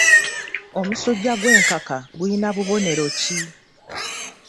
Omusujja gw'enkaka gulina bubonero ki?